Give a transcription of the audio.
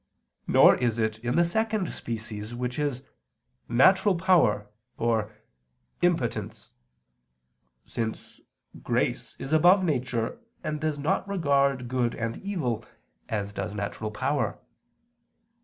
Nor is it in the second species, which is "natural power" or "impotence"; since grace is above nature and does not regard good and evil, as does natural power.